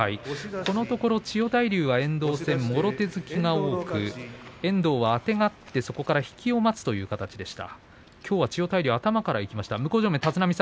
このところ千代大龍は遠藤戦もろ手突きが多く遠藤はあてがってそこから引きを待つという形でした。